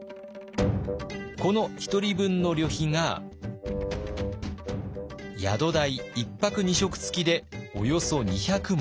この１人分の旅費が宿代１泊２食付きでおよそ２００文。